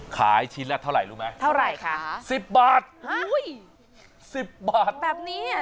ขายชิ้นละเท่าไหร่รู้ไหมเท่าไหร่คะสิบบาทอุ้ยสิบบาทแบบนี้อ่ะ